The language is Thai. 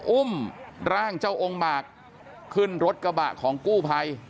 อุ้มร่างเจ้าองค์หมากขึ้นรถกระบะของกู้ภัย